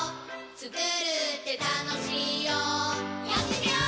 つくるってたのしいよやってみよー！